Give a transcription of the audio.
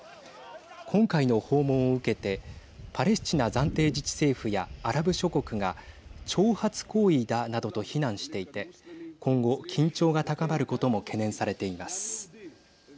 今回の訪問を受けてパレスチナ暫定自治政府やアラブ諸国が挑発行為だ、などと非難していて今後、緊張が高まることも懸念されています。